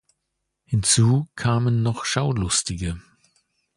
Hinzu kamen noch Schaulustige.